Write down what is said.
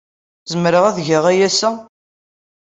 Zemreɣ ad geɣ aya ass-a?